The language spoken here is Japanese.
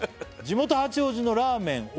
「地元・八王子のラーメン